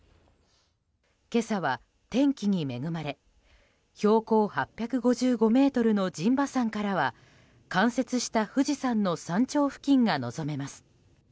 今朝は、天気に恵まれ標高８５０ｍの陣馬山からは冠雪した富士山の山頂付近が望めます。